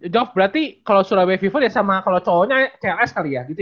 jof berarti kalau surabaya fever ya sama cowoknya cls kali ya gitu ya